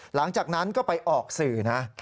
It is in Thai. หลังจากนั้นก็ไปออกสื่อนะ